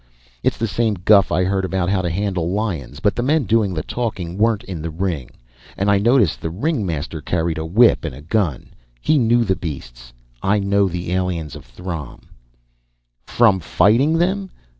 It's the same guff I heard about how to handle lions. But the men doing the talking weren't in the ring; and I noticed the ringmaster carried a whip and gun. He knew the beasts. I know the aliens of Throm." "From fighting them?